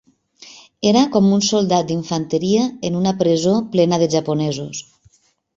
Era com un soldat d'infanteria en una presó plena de japonesos.